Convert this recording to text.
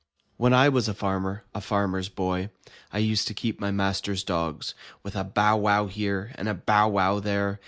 When I was a farmer, a Farmer's Boy, I used to keep my master's dogs. With a bow wow here, and a bow wow there.